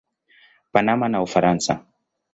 Panama na Ufaransa.